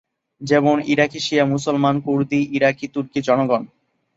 যেমন, ইরাকি শিয়া মুসলমান, কুর্দি, ইরাকি তুর্কি জনগণ।